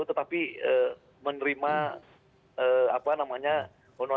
tetapi menerima apa namanya honorarium atau apa